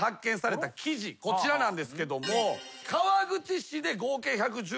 こちらなんですけど。